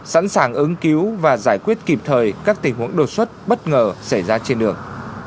sẵn sàng ứng cứu và giải quyết kịp thời các tình huống đột xuất bất ngờ xảy ra trên đường